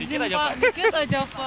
dikit aja pak